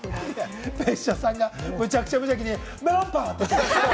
別所さんがめちゃくちゃ無邪気に、「メロンパン！」って言ってた。